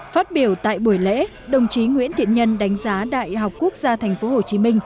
phát biểu tại buổi lễ đồng chí nguyễn thiện nhân đánh giá đại học quốc gia tp hcm